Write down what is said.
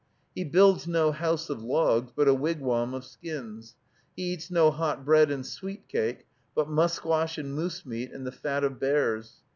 He builds no house of logs, but a wigwam of skins. He eats no hot bread and sweet cake, but musquash and moose meat and the fat of bears.